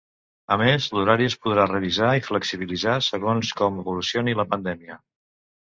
A més, l’horari es podrà revisar i flexibilitzar segons com evolucioni la pandèmia.